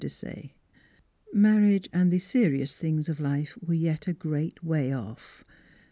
Desaye. Marriage and the seri ous things of life were yet a great way off.